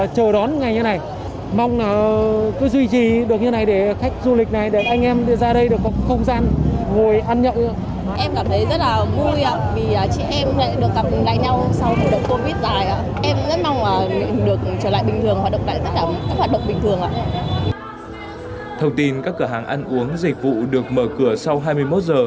thông tin các cửa hàng ăn uống dịch vụ được mở cửa sau hai mươi một giờ